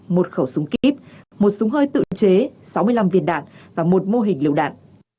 một khẩu súng kíp một súng hơi tự chế sáu mươi năm viên đạn và một mô hình liều đạn